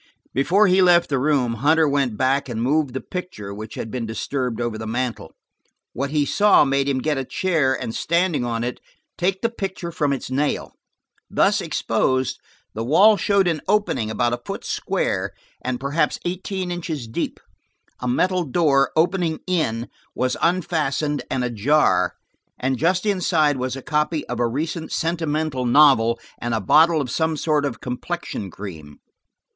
Before he left the room, Hunter went back and moved the picture which had been disturbed over the mantel. What he saw made him get a chair and, standing on it, take the picture from its nail. Thus exposed, the wall showed an opening about a foot square, and perhaps eighteen inches deep. A metal door, opening in, was unfastened and ajar, and just inside was a copy of a recent sentimental novel and a bottle of some sort of complexion cream.